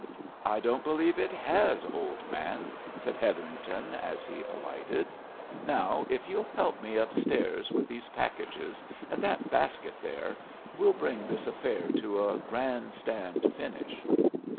"I don't believe it has, old man," said Hetherington as he alighted. "Now if you'll help me up stairs with these packages and that basket there, we'll bring this affair to a grand stand finish."